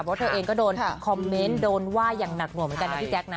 เพราะเธอเองก็โดนคอมเมนต์โดนว่าอย่างหนักหน่วงเหมือนกันนะพี่แจ๊คนะ